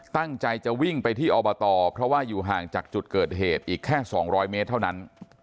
ตั้งใจจะวิ่งไปที่อบตเพราะว่าอยู่ห่างจากจุดเกิดเหตุอีกแค่๒๐๐เมตรเท่านั้น